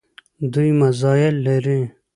دوی میزایل لري.